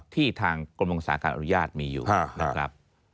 ทางกรมวงศาการอนุญาตมีอยู่นะครับ